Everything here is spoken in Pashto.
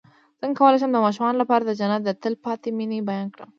څنګه کولی شم د ماشومانو لپاره د جنت د تل پاتې مینې بیان کړم